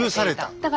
だから